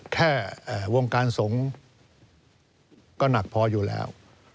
แค่วงการสงฆ์ก็หนักพออยู่แล้ว